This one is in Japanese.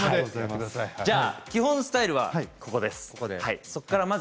基本スタイルはこちらです。